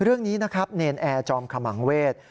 เรื่องนี้นะครับเนรนแอร์จอมขมังเวศ